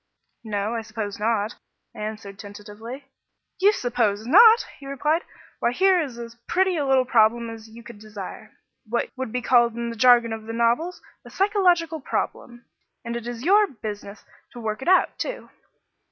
"No, I suppose not," I answered tentatively. "You suppose not!" he replied. "Why here is as pretty a little problem as you could desire what would be called in the jargon of the novels, a psychological problem and it is your business to work it out, too."